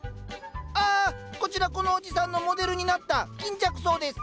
ああこちらこのおじさんのモデルになった巾着草です。